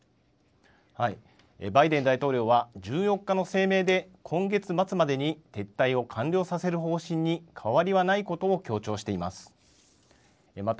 バイデン大統領は、１４日の声明で、今月末までに撤退を完了させる方針に変わりはないことを強調しています。